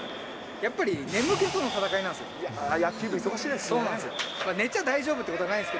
やっぱり眠気との戦いなんですよ。